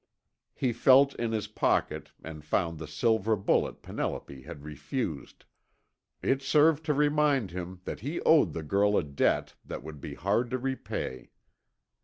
He felt in his pocket and found the silver bullet Penelope had refused. It served to remind him that he owed the girl a debt that would be hard to repay.